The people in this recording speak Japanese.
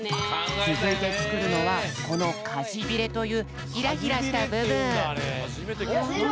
つづいてつくるのはこのかじびれというヒラヒラしたぶぶん。